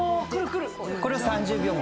これを３０秒ほど。